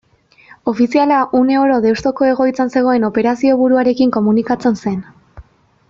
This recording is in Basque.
Ofiziala une oro Deustuko egoitzan zegoen operazioburuarekin komunikatzen zen.